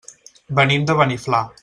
Venim de Beniflà.